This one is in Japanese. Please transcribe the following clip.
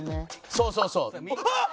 そうそうそうあっ！